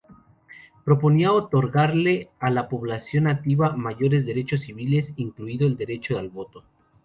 Proponía otorgarle a la población nativa mayores derechos civiles, incluido el derecho al voto.